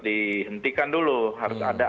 dihentikan dulu harus ada